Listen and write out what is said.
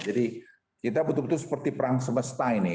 jadi kita betul betul seperti perang semesta ini